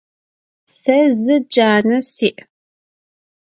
Se zı cane si'.